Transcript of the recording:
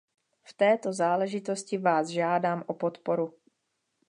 V této záležitosti vás žádám o podporu.